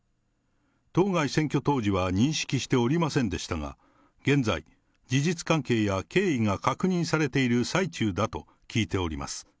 当該選挙当時は認識しておりませんでしたが、現在、事実関係や経緯が確認されている最中だと聞いております。